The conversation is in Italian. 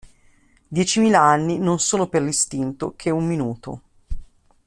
Diecimila anni non sono per l'istinto che un minuto.